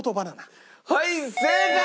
はい正解！